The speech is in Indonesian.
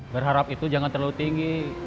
berharap itu jangan terlalu tinggi